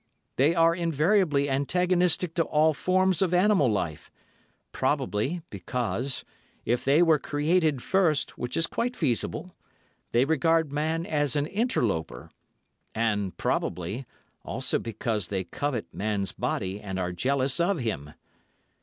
They are invariably antagonistic to all forms of animal life, probably, because, if they were created first, which is quite feasible, they regard man as an interloper, and, probably, also because they covet man's body and are jealous of him.